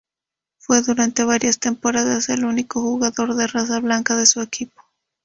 Fue, durante varias temporadas, el único jugador de raza blanca de su equipo.